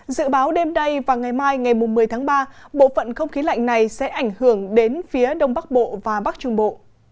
dự báo đêm nay và ngày mai ngày một mươi tháng ba bộ phận không khí lạnh này sẽ ảnh hưởng đến phía đông bắc bộ và bắc trung bộ